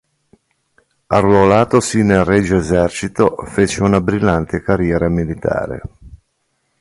Arruolatosi nel Regio Esercito fece una brillante carriera militare.